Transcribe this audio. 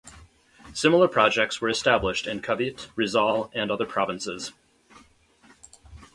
Similar projects were established in Cavite, Rizal and other provinces.